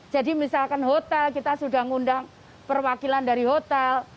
jadi misalkan hotel kita sudah mengundang perwakilan dari hotel